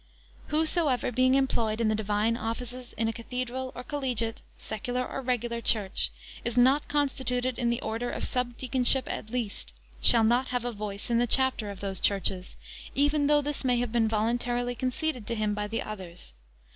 Whosoever being employed in the divine offices in a cathedral, or collegiate, Secular or Regular, church, is not constituted in the order of subdeaconship at least, shall not have a voice in the chapter of those churches, even though this may have been voluntarily conceded to him by the others.